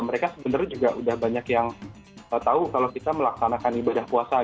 mereka sebenarnya juga udah banyak yang tahu kalau kita melaksanakan ibadah puasa